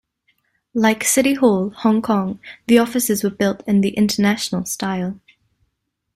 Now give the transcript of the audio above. Like City Hall, Hong Kong, the offices were built in the International style.